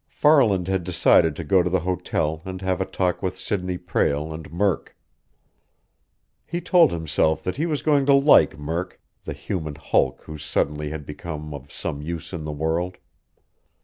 Farland had decided to go to the hotel and have a talk with Sidney Prale and Murk. He told himself that he was going to like Murk, the human hulk who suddenly had become of some use in the world.